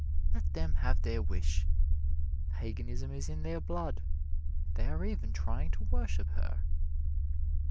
Let them have their wish! Paganism is in their blood they are even trying to worship her!